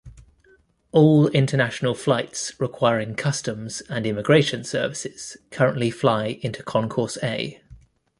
All international flights requiring customs and immigration services currently fly into Concourse A.